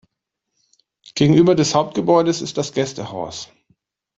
Gegenüber des Hauptgebäudes ist das Gästehaus.